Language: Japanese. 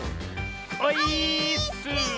オイーッス！